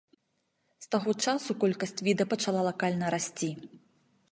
З таго часу колькасць віда пачала лакальна расці.